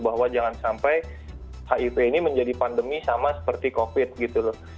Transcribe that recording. bahwa jangan sampai hiv ini menjadi pandemi sama seperti covid gitu loh